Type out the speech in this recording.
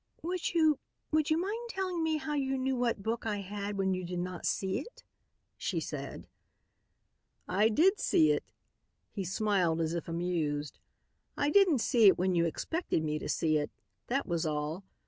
"Would you would you mind telling me how you knew what book I had when you did not see it?" she said. "I did see it," he smiled, as if amused. "I didn't see it when you expected me to see it, that was all.